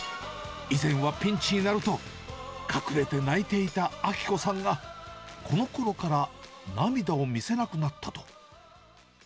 以前はピンチになると、隠れて泣いていた明子さんが、このころから涙を見せなくなったと。